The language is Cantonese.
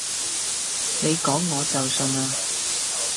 你講我就信呀